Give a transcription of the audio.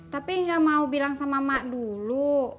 tapi nggak mau bilang sama mak dulu